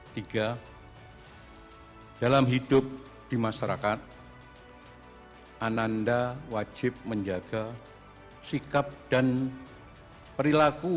tiga dalam hidup di masyarakat ananda wajib menjaga sikap dan perilaku